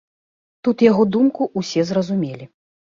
Тут яго думку ўсе зразумелі.